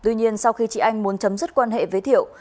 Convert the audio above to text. anh muốn chấm dứt quan hệ với thiệu